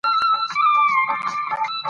ښوونکي د زده کوونکو د پرمختګ څارنه کوي.